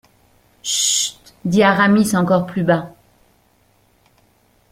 Chut ! dit Aramis encore plus bas.